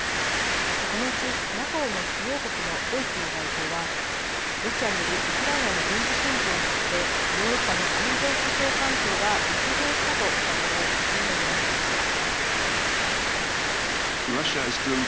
このうちＮＡＴＯの主要国のドイツの代表はロシアによるウクライナへの軍事侵攻によってヨーロッパの安全保障環境が激変したとしたうえで次のように述べました。